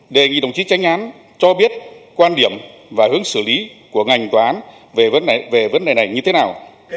đề nghị đồng chí tranh án cho biết quan điểm và hướng xử lý của ngành tòa án về vấn đề này như thế nào